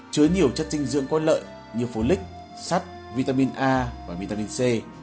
chứa nhiều chất dinh dưỡng có lợi như folic sắt vitamin a và vitamin c